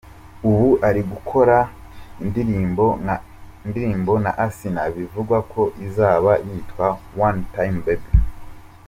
Ubu ari gukorana indirimbo na Asinah bivugwa ko izaba yitwa ‘One time baby’.